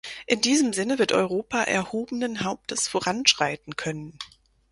In diesem Sinne wird Europa erhobenen Hauptes voranschreiten können.